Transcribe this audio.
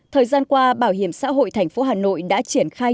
thời gian qua bảo hiểm xã hội thành phố hà nội đã triển khai